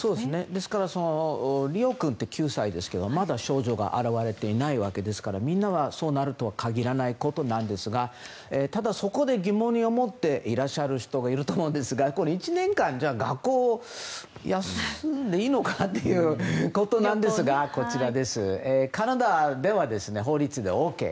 ですからリオ君って９歳ですけどまだ症状が現れていないわけですからみんなそうなるとは限らないことなんですがただ、そこで疑問に思っていらっしゃる人もいると思うんですが１年間、学校を休んでいいのかなということなんですがカナダでは法律でＯＫ。